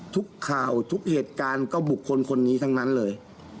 ทุกข่าวทุกเหตุการณ์ก็บุคคลคนนี้ทั้งนั้นเลย